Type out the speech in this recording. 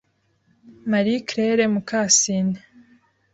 Marie Claire Mukasine